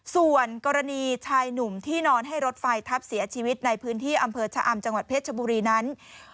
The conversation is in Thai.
ส่วนกรณีชายหนุ่มที่นอนให้รถไฟทับเสียชีวิตในพื้นที่อำเภอชะอำจังหวัดเพชรชบุรีนั้น